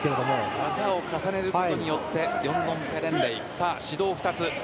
技を重ねるごとによってヨンドンペレンレイ、指導２つ。